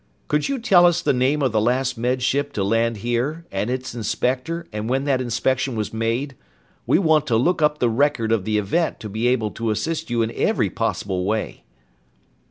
Could you tell us the name of the last Med Ship to land here, and its inspector, and when that inspection was made? We want to look up the record of the event to be able to assist you in every possible way."